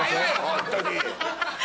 ホントに！